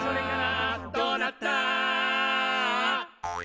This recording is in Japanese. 「どうなった？」